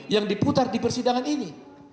yang diputar di persidangan ini